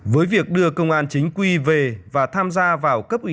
với việc đưa công an chính quy về và tham gia vào cấp ủy